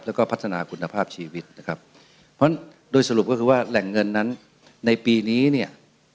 แล้วก็พัฒนาคุณภาพชีวิตนะครับเพราะฉะนั้นโดยสรุปก็คือว่าแหล่งเงินนั้นในปีนี้เนี่ย